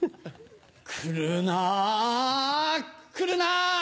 来るな来るな。